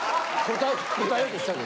答えようとしたで。